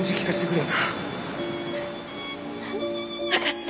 わかった。